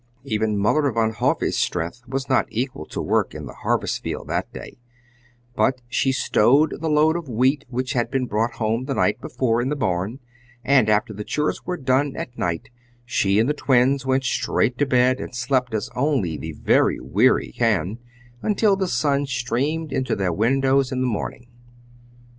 Even Mother Van Hove's strength was not equal to work in the harvest field that day, but she stowed the load of wheat which had been brought home the night before in the barn, and, after the chores were done at night, she and the Twins went straight to bed and slept as only the very weary can, until the sun streamed into their windows in the morning.